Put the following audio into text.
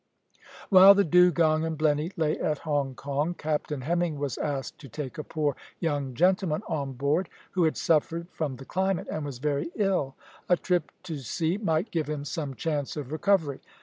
While the Dugong and Blenny lay at Hong Kong, Captain Hemming was asked to take a poor young gentleman on board, who had suffered from the climate, and was very ill. A trip to sea might give him some chance of recovery.